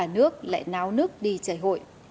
nước lại náo nước đi chảy hội